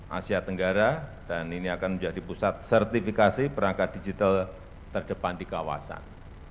asia tenggara dan ini akan menjadi pusat sertifikasi perangkat digital terdepan di kawasan